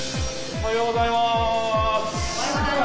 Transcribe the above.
おはようございます。